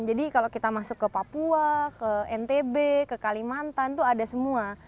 jadi kalau kita masuk ke papua ke ntb ke kalimantan itu ada semua